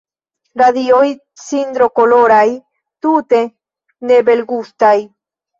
Radioj cindrokoloraj, tute nobelgustaj!